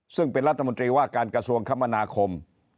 ซึ่งเป็นรัฐมนตรีว่าการกระทรวงคมนาคม